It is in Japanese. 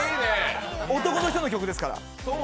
男の人の曲ですから。